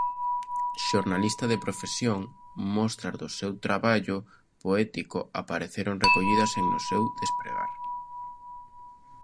Xornalista de profesión, mostras do seu traballo poético apareceron recollidas en "No seu despregar".